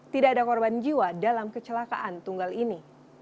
tidak ada korban jiwa dalam kecelakaan tunggal ini